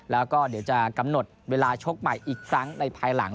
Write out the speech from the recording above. แล้วก็เดี๋ยวจะกำหนดเวลาชกใหม่อีกครั้งในภายหลัง